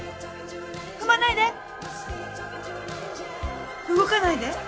踏まないで。